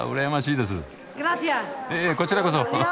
いえいえこちらこそ。